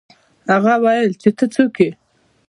هغه وویل چې ته څوک یې.